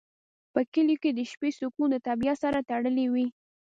په کلیو کې د شپې سکون د طبیعت سره تړلی وي.